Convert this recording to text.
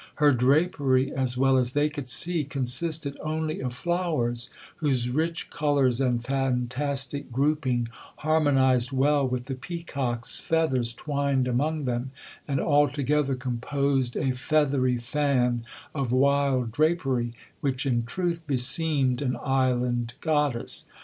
Her drapery (as well as they could see) consisted only of flowers, whose rich colours and fantastic grouping harmonized well with the peacock's feathers twined among them, and altogether composed a feathery fan of wild drapery, which, in truth, beseemed an 'island goddess.'